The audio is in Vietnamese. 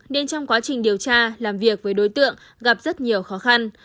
nên trong quá trình điều tra làm việc với đối tượng gặp rất nhiều khó khăn